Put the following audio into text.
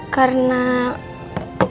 karena berkat mas randy sama mamanya mas randy